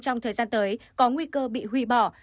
trong thời gian tới có nguy cơ bị hủy bỏ